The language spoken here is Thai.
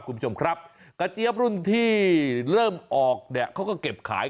คุณผู้ชมครับกระเจี๊ยบรุ่นที่เริ่มออกเนี่ยเขาก็เก็บขาย